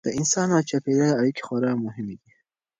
د انسان او چاپیریال اړیکې خورا مهمې دي.